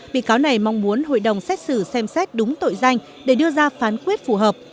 bị cáo này mong muốn hội đồng xét xử xem xét đúng tội danh để đưa ra phán quyết phù hợp